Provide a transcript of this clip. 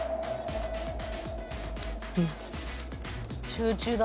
集中だ。